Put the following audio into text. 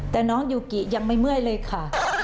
แต่น้องยูกิยังไม่เมื่อยเลยค่ะ